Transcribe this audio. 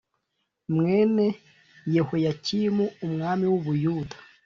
mwene Yehoyakimu umwami w u Buyuda